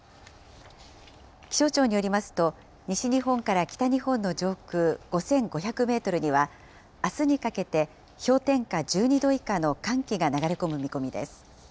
気象庁によりますと、西日本から北日本の上空５５００メートルには、あすにかけて、氷点下１２度以下の寒気が流れ込む見込みです。